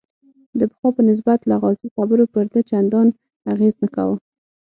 د پخوا په نسبت لغازي خبرو پر ده چندان اغېز نه کاوه.